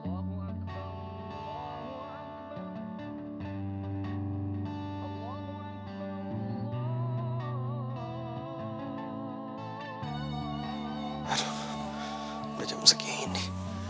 aduh udah jam segini